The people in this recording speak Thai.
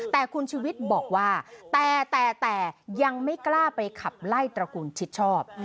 แต่คุณชุวิตบอกว่าแต่แต่ยังไม่กล้าไปขับไล่ตระกูลชิดชอบ